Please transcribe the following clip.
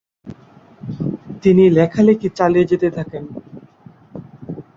তিনি লেখালেখি চালিয়ে যেতে থাকেন।